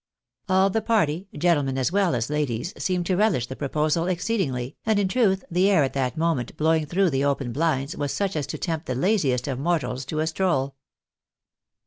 All the party, gentlemen as well as ladies, seemed to relish the proposal exceedingly, and in truth the air at that moment blowing through the open bUnds, was such as to tempt the laziest of mortals to a stroll.